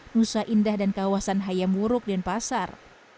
nusa indah dan kawasan hayam wuruk denpasar